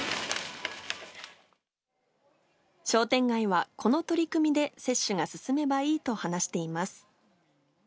商店街はこの取り組みで接種が進めばいいと話しています。